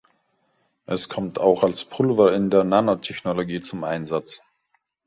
Es kommt auch als Pulver in der Nanotechnologie zum Einsatz.